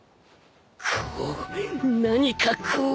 こう何かこう。